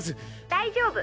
大丈夫！